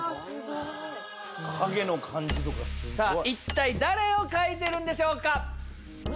一体誰を描いてるんでしょうか？